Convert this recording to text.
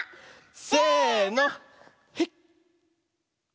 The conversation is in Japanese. せの。